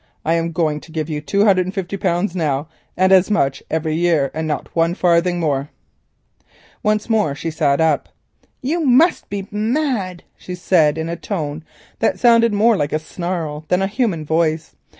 I am going to give you two hundred and fifty pounds now, and as much every year, and not one farthing more." Once more she sat up. "You must be mad," she said in a tone that sounded more like a snarl than a human voice.